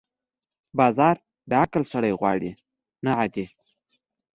بازار د عقل سړی غواړي، نه عادي.